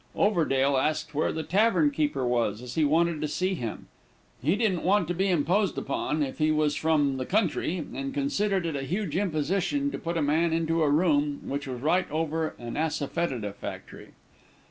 Overdale asked where the tavern keeper was, as he wanted too see him. He didn't want to be imposed upon, if he was from the country, and considered it a huge imposition to put a man into a room which was right over an asafoetida factory.